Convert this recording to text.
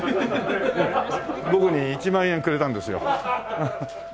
僕に１万円くれたんですよ。